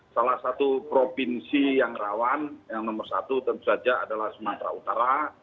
salah satu provinsi yang rawan yang nomor satu tentu saja adalah sumatera utara